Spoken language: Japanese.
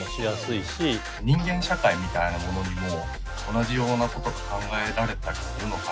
人間社会みたいなものにも同じようなことが考えられたりするのかなって。